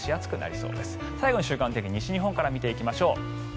最後に週間の天気を西日本から見ていきましょう。